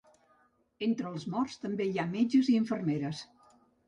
Entre els morts també hi ha metges i infermeres.